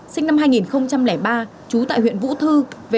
sinh năm hai nghìn ba trú tại huyện vũ thư